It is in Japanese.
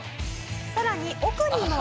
さらに奥にも。